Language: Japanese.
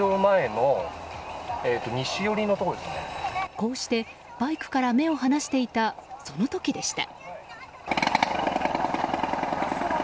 こうして、バイクから目を離していたその時でした。